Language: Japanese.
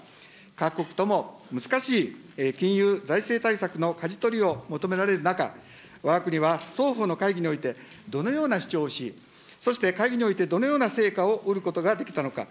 各国とも難しい金融財政対策のかじ取りを求められる中、わが国は双方の会議において、どのような主張をし、そして会議においてどのような成果を得ることができたのか。